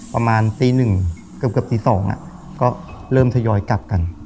ประมาณตีหนึ่งเกือบตี๒ก็เริ่มทยอยกลับกัน